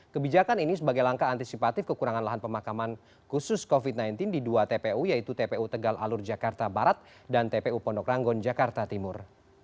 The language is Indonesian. kebijakan ini sebagai langkah antisipatif kekurangan lahan pemakaman khusus covid sembilan belas di dua tpu yaitu tpu tegal alur jakarta barat dan tpu pondok ranggon jakarta timur